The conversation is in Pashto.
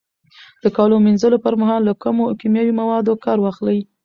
د کالو مینځلو پر مهال له کمو کیمیاوي موادو کار واخلئ.